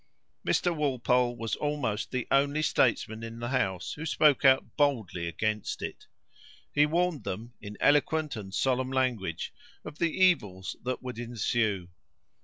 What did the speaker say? Mr. Walpole was almost the only statesman in the House who spoke out boldly against it. He warned them, in eloquent and solemn language, of the evils that would ensue.